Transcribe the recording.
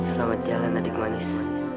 selamat jalan adik manis